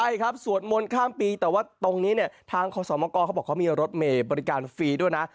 ใช่ครับสวดมนต์ข้ามปีแต่ว่าตรงนี้เนี่ยทางขอสมกรเขาบอกเขามีรถเมย์บริการฟรีด้วยนะ